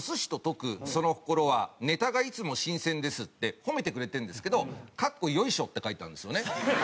「その心はネタがいつも新鮮です」って褒めてくれてるんですけどかっこよいしょ！って書いてあるんですよね。